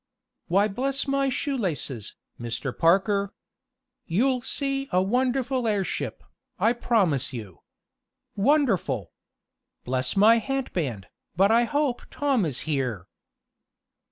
"Why bless my shoe laces, Mr. Parker! You'll see a wonderful airship, I promise you. Wonderful! Bless my hatband, but I hope Tom is here!"